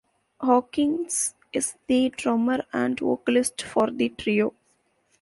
Hawkins is the drummer and vocalist for the trio.